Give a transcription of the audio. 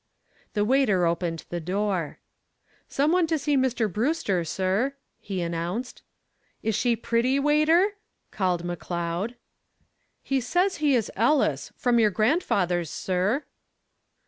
The waiter opened the door. "Some one to see Mr. Brewster, sir," he announced. "Is she pretty, waiter?" called McCloud. "He says he is Ellis, from your grandfather's, sir!"